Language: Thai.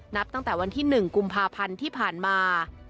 นับตั้งแต่วันที่๑กุมภาพันธ์ที่ผ่านมา